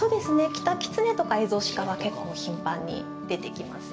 キタキツネとかエゾシカは結構頻繁に出てきますね。